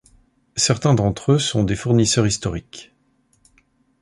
Certains d'entre eux sont des fournisseurs historiques.